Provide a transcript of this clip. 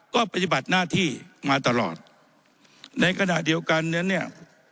ก็ปฏิบัติหน้าที่มาตลอดในขณะเดียวกันนั้นเนี่ย